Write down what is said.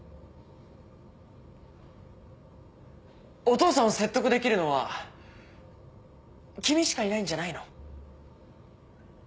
お父さんを説得できるのは君しかいないんじゃないの？